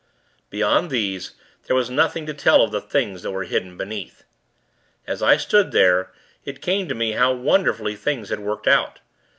Beyond these, there was nothing to tell of the things that were hidden beneath. As I stood there, it came to me how wonderfully things had worked out.